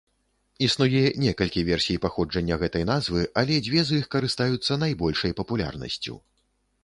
Існуе некалькі версій паходжання гэтай назвы, але дзве з іх карыстаюцца найбольшай папулярнасцю.